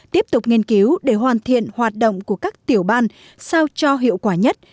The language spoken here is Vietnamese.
tiếp tục nghiên cứu để hoàn thiện hoạt động của các tiểu ban sao cho hiệu quả nhất